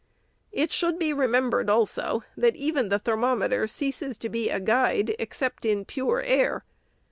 It should be remembered, also, that even the thermom eter ceases to be a guide, except in pure air.